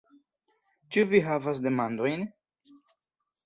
Ĉu Vi havas demandojn?